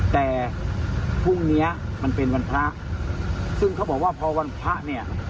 แต่พรุ่งเนี้ยมันเป็นวันพระซึ่งเขาบอกว่าพอวันพระเนี่ย